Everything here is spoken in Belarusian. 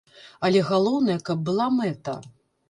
Але галоўнае, каб была мэта.